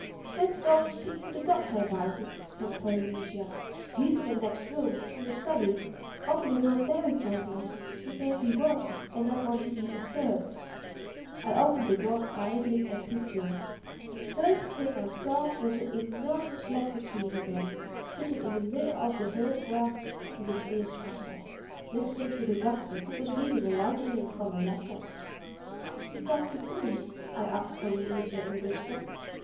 "Humph!—Let's go and speak to the Doctor about it," said Polynesia. "He's in the next room—in the study. Open the door very gently—he may be working and not want to be disturbed." I opened the door quietly and peeped in. The first thing I saw was an enormous black retriever dog sitting in the middle of the hearth rug with his ears cocked up, listening to the Doctor who was reading aloud to him from a letter. "What is the Doctor doing?" I asked Polynesia in a whisper.